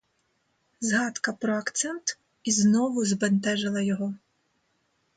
Згадка про акцент ізнову збентежила його.